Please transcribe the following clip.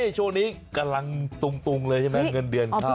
ช่วงนี้กำลังตุ๊งเหรอด้วยเงินเดือนเคลื่อนเข้า